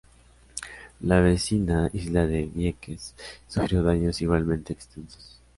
La vecina isla de Vieques sufrió daños igualmente extensos.